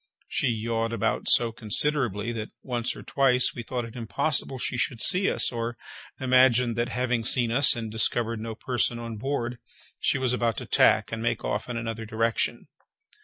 She yawed about so considerably, that once or twice we thought it impossible she could see us, or imagined that, having seen us, and discovered no person on board, she was about to tack and make off in another direction.